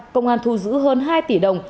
công an thu giữ hơn hai tỷ đồng